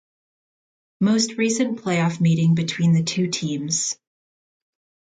Most recent playoff meeting between the two teams.